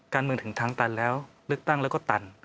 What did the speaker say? การเมืองถึงทางตันแล้วเลือกตั้งแล้วก็ตัน